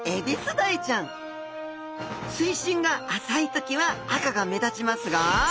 水深が浅い時は赤が目立ちますが。